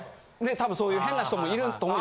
多分そういう変な人もいると思う。